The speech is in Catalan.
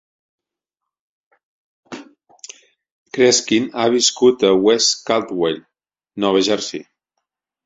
Kreskin ha viscut a West Caldwell, Nova Jersey.